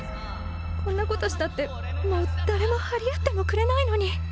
こんなことしたってもう誰も張り合ってもくれないのに。